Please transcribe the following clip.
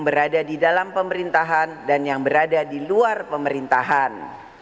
berada di dalam pemerintahan dan yang berada di luar pemerintahan